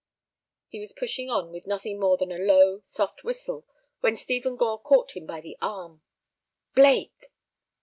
He was pushing on with nothing more than a low, soft whistle when Stephen Gore caught him by the arm. "Blake!"